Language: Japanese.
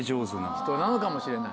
人なのかもしれない。